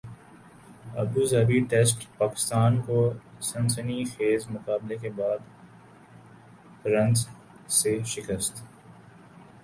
ابو Dhabi test Pakistan کو سنسنی خیزمقابلے کے بعد رنز سے شکست